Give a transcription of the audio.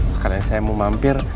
sekalian saya mau mampir